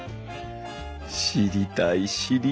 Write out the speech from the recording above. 知りたい知りたい！